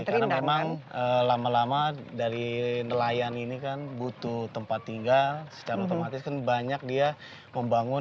karena memang lama lama dari nelayan ini kan butuh tempat tinggal secara otomatis kan banyak dia membangun